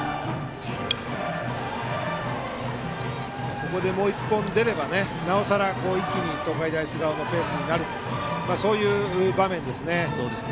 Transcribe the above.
ここでもう１本出ればなおさら、一気に東海大菅生のペースになる場面ですね。